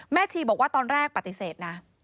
ชีบอกว่าตอนแรกปฏิเสธนะ